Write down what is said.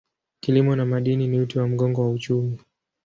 Kilimo na madini ni uti wa mgongo wa uchumi.